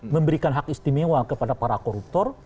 memberikan hak istimewa kepada para koruptor